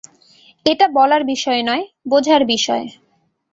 এটা বলার বিষয় নয়, বোঝার বিষয়।